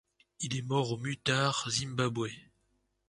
Il est mort au Mutare Zimbabwe.